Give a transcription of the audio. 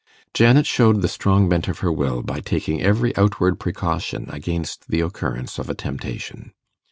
Janet showed the strong bent of her will by taking every outward precaution against the occurrence of a temptation.